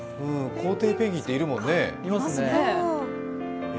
コウテイペンギンっているもんね、え。